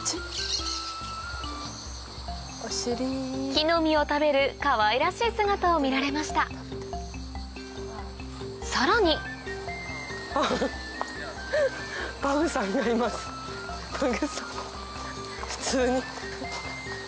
木の実を食べるかわいらしい姿を見られましたさらに普通に。